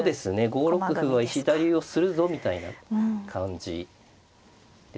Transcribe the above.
５六歩は石田流をするぞみたいな感じですね。